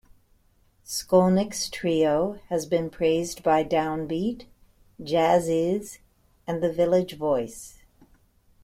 Skolnick's trio has been praised by "Down Beat", "Jazziz", and "The Village Voice".